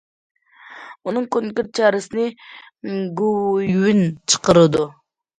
ئۇنىڭ كونكرېت چارىسىنى گوۋۇيۈەن چىقىرىدۇ.